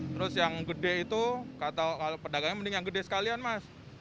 terus yang gede itu pedagangnya mending yang gede sekalian mas